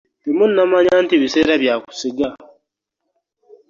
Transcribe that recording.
Temunnamanya nti biseera bya kusiga?